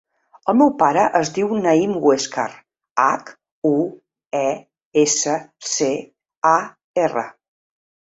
El meu pare es diu Naïm Huescar: hac, u, e, essa, ce, a, erra.